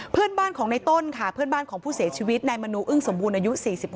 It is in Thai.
เพื่อนบ้านของในต้นค่ะเพื่อนบ้านของผู้เสียชีวิตนายมนูอึ้งสมบูรณ์อายุ๔๖